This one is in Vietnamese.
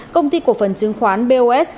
công ty cổ phần chứng khoán bos